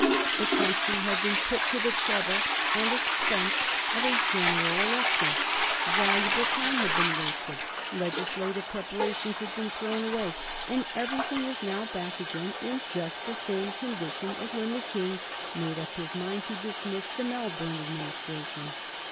The country had been put to the trouble and expense of a general election, valuable time had been wasted, legislative preparations had been thrown away, and everything was now back again in just the same condition as when the King made up his mind to dismiss the Melbourne Administration.